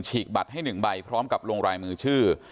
ฉีกบัตรให้๑ใบพร้อมกับลงรายมือชื่อ